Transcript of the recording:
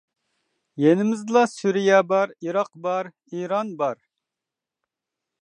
يېنىمىزدىلا سۈرىيە بار، ئىراق بار، ئىران بار.